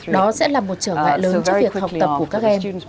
đó sẽ là một trở ngại lớn cho việc học tập của các em